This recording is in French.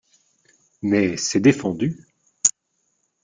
Mais c'est défendu.